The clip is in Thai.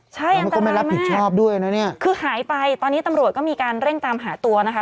ใช่อันตรายมากคือหายไปตอนนี้ตำรวจก็มีการเร่งตามหาตัวนะคะ